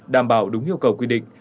đảm bảo đúng yêu cầu quy định